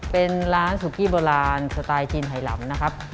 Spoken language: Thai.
เป็นร้านสุกี้โบราณสไตล์จีนไหลำนะครับ